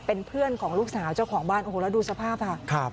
เป็นเพื่อนของลูกสาวเจ้าของบ้านโอ้โหแล้วดูสภาพค่ะ